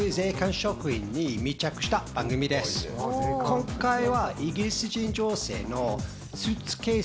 今回は。